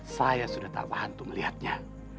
saya sudah tak bantu melihatnya